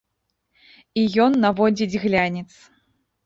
І ён наводзіць глянец.